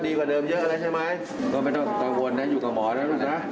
กว่าเดิมเยอะแล้วใช่ไหมก็ไม่ต้องกังวลนะอยู่กับหมอนะลูกนะ